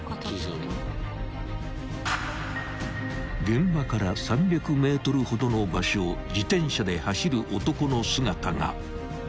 ［現場から３００ｍほどの場所を自転車で走る男の姿が］